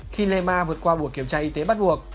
khi lema vượt qua buổi kiểm tra y tế bắt buộc